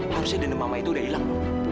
harusnya denda mama itu udah hilang